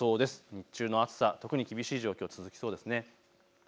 日中の暑さ、特に厳しい状況が続きそうです。